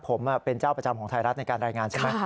ผมเป็นเจ้าประจำของไทยรัฐในการรายงานใช่ไหม